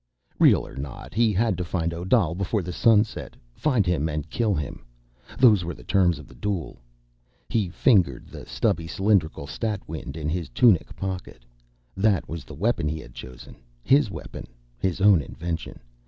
Real or not, he had to find Odal before the sun set. Find him and kill him. Those were the terms of the duel. He fingered the stubby cylinderical stat wind in his tunic pocket. That was the weapon he had chosen, his weapon, his own invention.